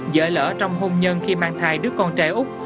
giỡn lỡ trong hôn nhân khi mang thai đứa con trai úc